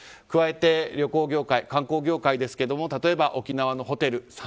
加えて旅行業界、観光業界例えば沖縄のホテル。